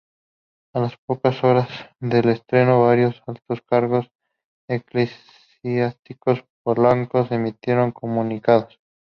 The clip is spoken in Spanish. A las pocas horas del estreno, varios altos cargos eclesiásticos polacos emitieron comunicados.